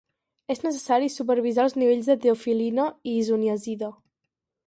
És necessari supervisar els nivells de teofil·lina i isoniazida.